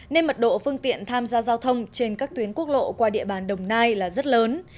nên mật độ phương tiện tham gia giao thông trên các tuyến quốc lộ qua địa bàn đồng nai là rất lớn